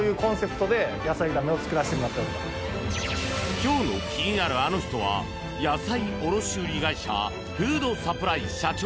今日の気になるアノ人は野菜卸売会社フードサプライ社長